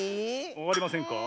わかりませんか？